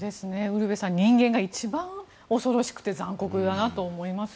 ウルヴェさん人間が一番恐ろしくて残酷だなと思います。